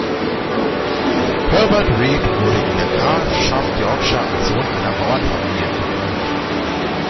Herbert Read wurde in der Grafschaft Yorkshire als Sohn einer Bauernfamilie geboren.